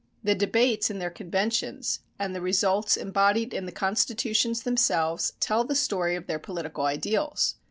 The debates in their conventions and the results embodied in the constitutions themselves tell the story of their political ideals.